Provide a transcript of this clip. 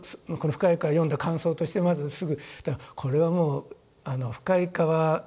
この「深い河」を読んだ感想としてまずすぐこれはもう「深い河」